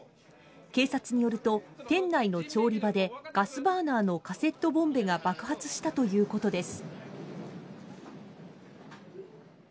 警察によると、店内の調理場でガスバーナーのカセットボンベが爆発したということです。